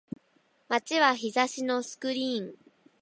街は日差しのスクリーン